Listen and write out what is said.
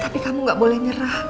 tapi kamu gak boleh nyerah